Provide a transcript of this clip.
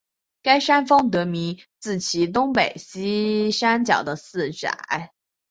该山峰得名自其东北面山脚的庙仔。